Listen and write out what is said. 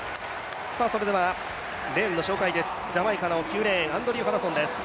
それではレーンの紹介です、ジャマイカの９レーン、アンドリュー・ハドソンです。